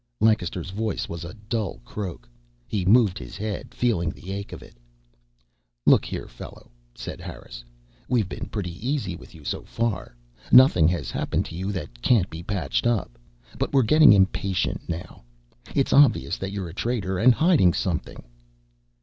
Lancaster's voice was a dull croak. He moved his head, feeling the ache of it. "Look here, fellow," said Harris. "We've been pretty easy with you so far. Nothing has happened to you that can't be patched up. But we're getting impatient now. It's obvious that you're a traitor and hiding something."